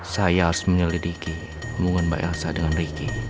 saya harus menyelidiki hubungan mbak elsa dengan ricky